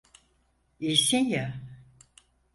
İyisin ya?